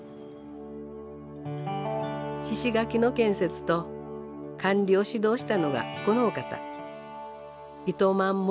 猪垣の建設と管理を指導したのがこのお方。